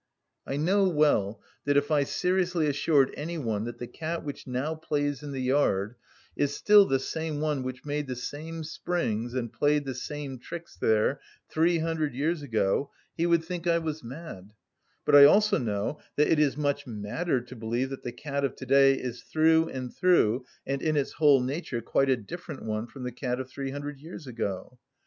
I know well that if I seriously assured any one that the cat which now plays in the yard is still the same one which made the same springs and played the same tricks there three hundred years ago, he would think I was mad; but I also know that it is much madder to believe that the cat of to‐day is through and through and in its whole nature quite a different one from the cat of three hundred years ago.